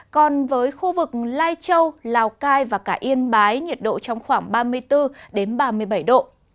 còn với khu vực lai châu lào cai và cả yên bái nhiệt độ trong khoảng ba mươi bốn ba mươi bảy độ